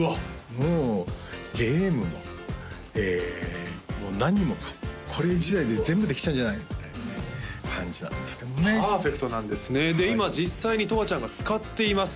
もうゲームももう何もかもこれ１台で全部できちゃうんじゃないかって感じなんですけどもねパーフェクトなんですねで今実際にとわちゃんが使っています